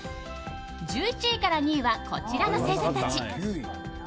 １１位から２位はこちらの星座たち。